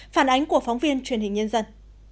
phản ánh của phóng viên truyền hình nhân dân